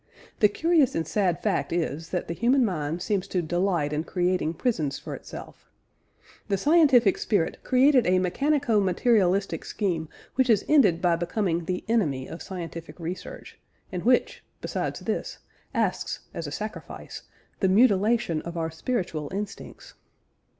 The curious and sad fact is that the human mind seems to delight in creating prisons for itself. The scientific spirit created a mechanico materialistic scheme which has ended by becoming the enemy of scientific research, and which (besides this) asks, as a sacrifice, the mutilation of our spiritual instincts.